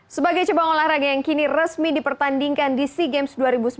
sebagai cabang olahraga yang kini resmi dipertandingkan di sea games dua ribu sembilan belas